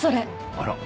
あら。